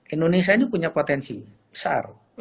indonesia ini punya potensi yang sangat besar